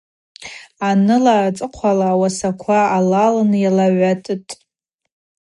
Аныла ацӏыхъвала ауасаква алалын йалагӏватӏытӏ.